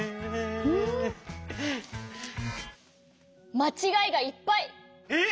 まちがいがいっぱい！え！？